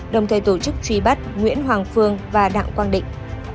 đồng thời tổ chức truy bắt nguyễn hoàng phương và đặng quang định